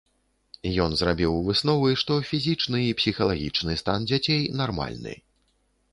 Ён зрабіў высновы, што фізічны і псіхалагічны стан дзяцей нармальны.